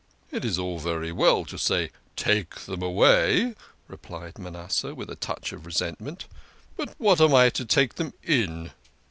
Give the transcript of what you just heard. " It is all very well to say take them away," replied Manasseh, with a touch of resentment, " but what am I to take them in?